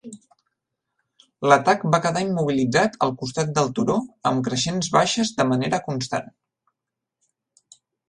L'atac va quedar immobilitzat al costat del turó amb creixents baixes de manera constant.